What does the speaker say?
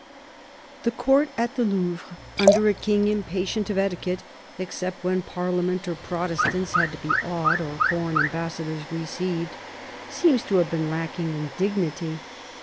The Court at the Louvre, under a King impatient of etiquette — except when Parliament or Protestants had to be awed, or foreign ambassadors received — seems to have been lacking in dignity.